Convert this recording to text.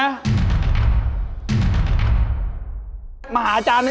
มาหาอาจารย์ไม๊